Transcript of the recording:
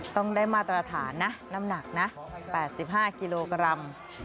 ต้องได้มาตรฐานนะน้ำหนักนะ๘๕กิโลกรัม